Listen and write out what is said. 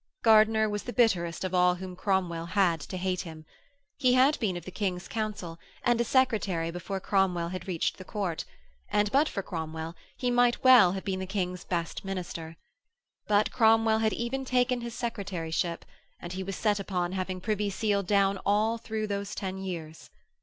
Gardiner was the bitterest of all whom Cromwell had to hate him. He had been of the King's Council, and a secretary before Cromwell had reached the Court, and, but for Cromwell, he might well have been the King's best minister. But Cromwell had even taken his secretaryship; and he was set upon having Privy Seal down all through those ten years.